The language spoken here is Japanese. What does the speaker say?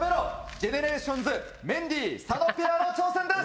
ＧＥＮＥＲＡＴＩＯＮＳメンディー・佐野ペアの挑戦です！